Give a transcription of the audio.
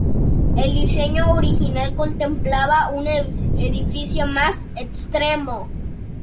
El diseño original contemplaba un edificio más extremo.